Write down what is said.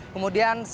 kemudian sangat darah